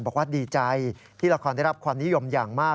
บอกว่าดีใจที่ละครได้รับความนิยมอย่างมาก